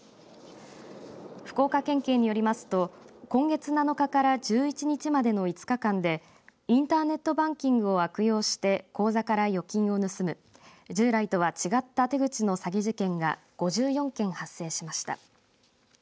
福岡県警によりますと今月７日から１１日までの５日間でインターネットバンキングを悪用して口座から預金を盗む従来とは違った手口の詐欺事件が５４件発生しました。